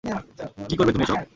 কী করবে তুমি এসব?